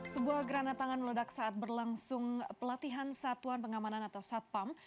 sebuah granat tangan meledak saat berlangsung pelatihan satuan pengamanan atau satpam